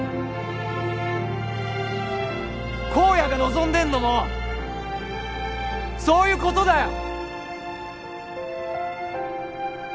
公哉が望んでんのもそういうことだよ！